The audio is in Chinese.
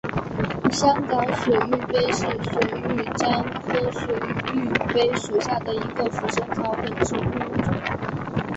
香港水玉杯是水玉簪科水玉杯属下的一个腐生草本植物物种。